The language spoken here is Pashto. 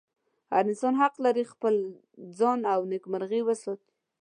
هر انسان حق لري خپل ځان او نېکمرغي وساتي.